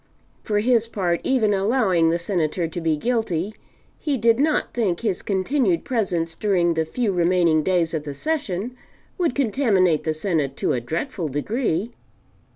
For his part, even allowing the Senator to be guilty, he did not think his continued presence during the few remaining days of the Session would contaminate the Senate to a dreadful degree.